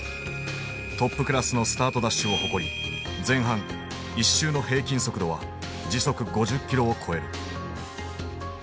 トップクラスのスタートダッシュを誇り前半１周の平均速度は時速５０キロを超える。